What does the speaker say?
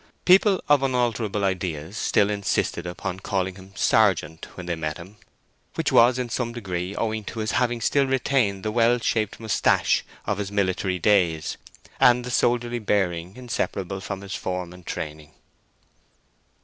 People of unalterable ideas still insisted upon calling him "Sergeant" when they met him, which was in some degree owing to his having still retained the well shaped moustache of his military days, and the soldierly bearing inseparable from his form and training.